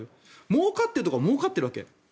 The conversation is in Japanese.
もうかっているところはもうかっているわけ。